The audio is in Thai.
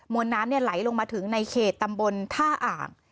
ลน้ำไหลลงมาถึงในเขตตำบลท่าอ่าง